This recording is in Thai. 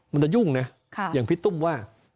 มันจะยุ่งนะอย่างพี่ตุ้มว่า